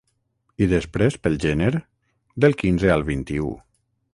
I després pel Gener, del quinze al vint-i-u.